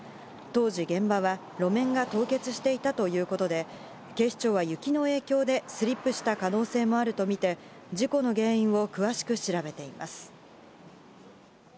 当時、現場は路面が凍結していたということで、警視庁は雪の影響でスリップした可能性もあるとみて事故の原因を詳しく調べています。